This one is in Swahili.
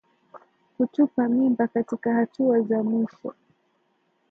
Kutupa mimba katika hatua za mwisho